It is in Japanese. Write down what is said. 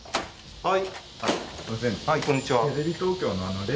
はい。